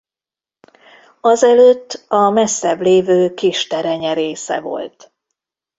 Azelőtt a messzebb lévő Kisterenye része volt.